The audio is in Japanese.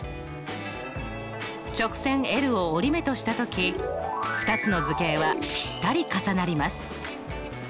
直線を折り目としたとき２つの図形はぴったり重なります。